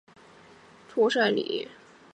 比利亚尔出生在巴拉圭涅恩布库省的塞里托。